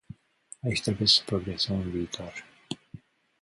Aici trebuie să progresăm în viitor.